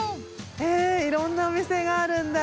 へぇいろんなお店があるんだ。